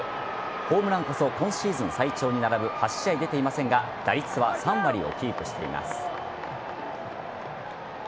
ホームランこそ今シーズン最長に並ぶ８試合出ていませんが打率は３割をキープしています。